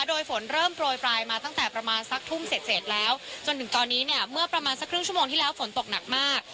โดยฝนเริ่มโปรยปลายมาตั้งแต่ประมาณสักทุ่มเสร็จแล้วจนถึงตอนนี้เนี่ยเมื่อประมาณสักครึ่งชั่วโมงที่แล้วฝนตกหนักมาก